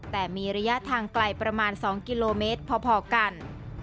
แต่มีระยะทางไกลประมาณ๒กิโลเมตรพอกัน